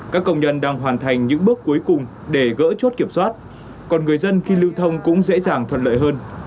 các công nhân đang hoàn thành những bước cuối cùng để gỡ chốt kiểm soát còn người dân khi lưu thông cũng dễ dàng thuận lợi hơn